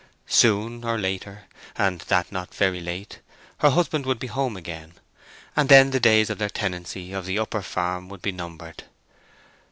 Soon, or later—and that not very late—her husband would be home again. And then the days of their tenancy of the Upper Farm would be numbered.